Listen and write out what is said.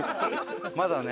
まだね。